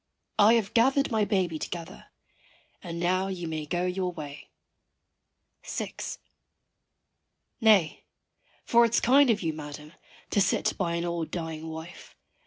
I have gathered my baby together and now you may go your way. VI. Nay for it's kind of you, Madam, to sit by an old dying wife.